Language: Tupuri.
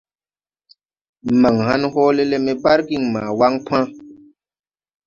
Man hãn hoole le me bargiŋ ma wan pãã.